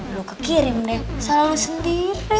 dulu kekirim deh selalu sendiri